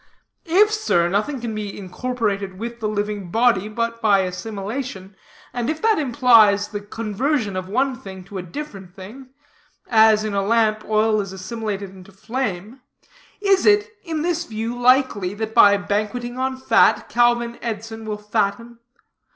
If, sir, nothing can be incorporated with the living body but by assimilation, and if that implies the conversion of one thing to a different thing (as, in a lamp, oil is assimilated into flame), is it, in this view, likely, that by banqueting on fat, Calvin Edson will fatten?